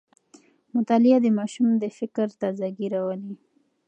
مطالعه د ماشوم د فکر تازه ګي راولي.